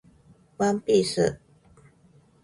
ワンピース